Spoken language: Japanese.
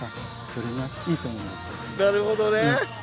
なるほどね。